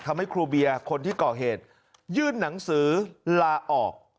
ทำให้ครูเบียคนที่เกาะเหตุยื่นหนังสือลาออก